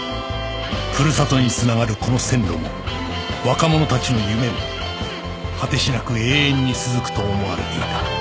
ふるさとに繋がるこの線路も若者たちの夢も果てしなく永遠に続くと思われていた